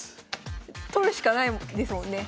取るしかないですもんね。